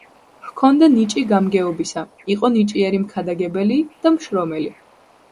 ჰქონდა ნიჭი გამგეობისა, იყო ნიჭიერი მქადაგებელი და მშრომელი.